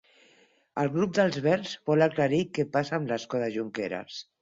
El grup dels Verds vol aclarir què passa amb l'escó de Junqueras